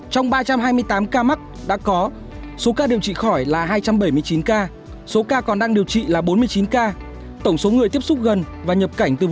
trong ba trăm hai mươi tám ca mắc đã có số ca điều trị khỏi là hai trăm bảy mươi chín ca số ca còn đang điều trị là bốn mươi chín ca